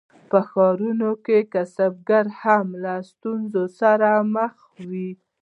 په ښارونو کې کسبګر هم له ستونزو سره مخ وو.